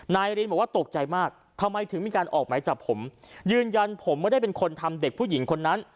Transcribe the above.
นายรินบอกว่าตกใจมากทำไมถึงมีการออกหมายจับผมยืนยันผมไม่ได้เป็นคนทำเด็กผู้หญิงคนนั้น